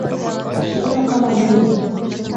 Kiuno kama bunzi